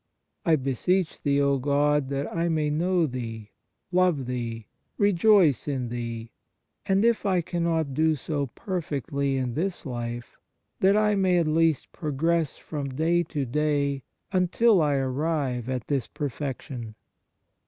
I beseech Thee, O God, that I may know Thee, love Thee, rejoice in Thee; and, if I cannot do so perfectly in this life, that I may at least progress from day to day until I arrive at this perfection.